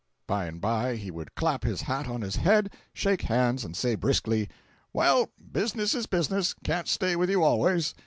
By and by he would clap his hat on his head, shake hands and say briskly: "Well, business is business—can't stay with you always!"